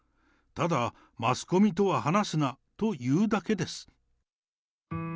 ただ、マスコミとは話すなと言うだけです。